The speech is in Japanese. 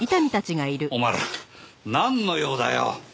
お前らなんの用だよ？